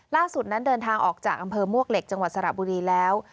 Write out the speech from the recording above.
ล่าสุดนั้นเดินทางออกจากอำเภอมวกเหล็กจังหวัดสระบุรีแล้ว